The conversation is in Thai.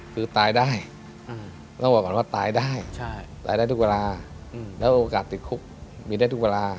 คือตายได้ต้องบอกก่อนว่าตายได้ตายได้ทุกเวลาแล้วโอกาสติดคุกมีได้ทุกเวลา